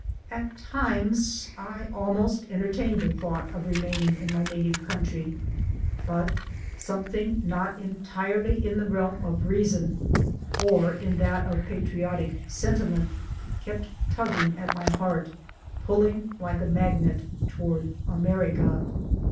At times I almost entertained the thought of remaining in my native country. But 'something not entirely in the realm of reason or in that of patriotic sentiment kept tugging at my heart, pull ing like a magnet toward America.